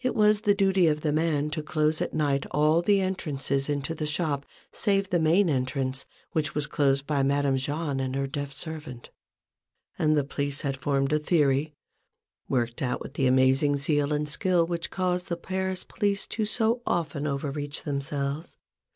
It was the duty of the man to close at night all the entrances into the shop, save the main entrance, which was closed by Madame Jahn and her deaf servant : and the police had formed a theory go A BOOK OF BARGAINS. {worked out with the amazing zeal and skill which cause the Paris police so often to over reach themselves